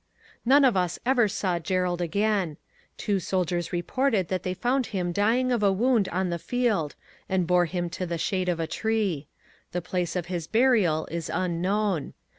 None of us ever saw Gerald again. Two soldiers reported that they found him dying of a wound on the field and bore him to the shade of a tree. The place of his burial is unknown.